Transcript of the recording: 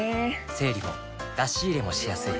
整理も出し入れもしやすい